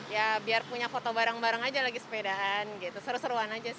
ya biar punya foto bareng bareng aja lagi sepedaan gitu seru seruan aja sih